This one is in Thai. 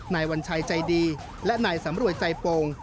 วัญชัยใจดีและนายสำรวยใจโป่ง